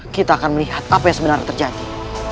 kita akan melihat apa yang sebenarnya terjadi